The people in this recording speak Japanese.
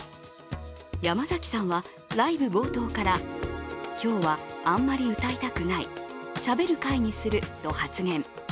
山崎さんはライブ冒頭から、今日はあんまり歌いたくない、しゃべる回にすると発言。